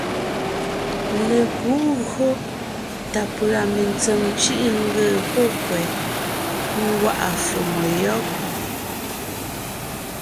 Lepǔ ńgÿo tà pʉ̀a mentsèm cʉ̀ʼʉ ńgee pɔ́ kwɛ̀ ńgwá’a fòmo yɔ́b.